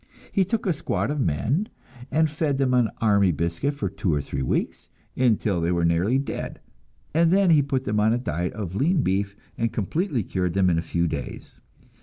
He took a squad of men and fed them on army biscuit for two or three weeks, until they were nearly dead, and then he put them on a diet of lean beef and completely cured them in a few days.